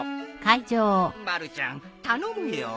まるちゃん頼むよ。